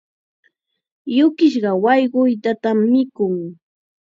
Yukisqa wayquytatam mikun.